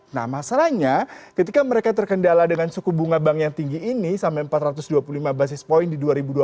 nah masalahnya ketika mereka terkendala dengan suku bunga bank yang tinggi ini sampai empat ratus dua puluh lima basis point di dua ribu dua puluh